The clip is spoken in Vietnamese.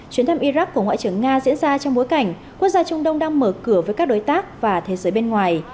chuyến thăm iraq của ngoại trưởng nga diễn ra trong bối cảnh quốc gia trung đông đang mở cửa với các đối tác và thế giới bên ngoài